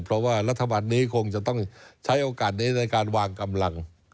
เพราะว่ารัฐบาลนี้คงจะต้องใช้โอกาสนี้ในการวางกำลัง